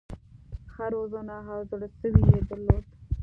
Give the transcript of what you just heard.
ښه روزنه او زړه سوی یې درلود.